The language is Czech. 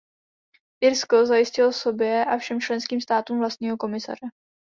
Irsko zajistilo sobě a všem členským státům vlastního komisaře.